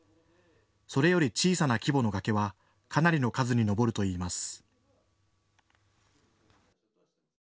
それより小さな規模の崖はかなりの数に上るといいます。